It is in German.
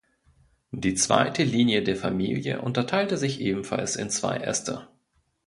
Die zweite Linie der Familie unterteilte sich ebenfalls in zwei Äste.